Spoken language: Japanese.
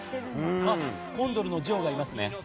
コンドルのジョーがいますね。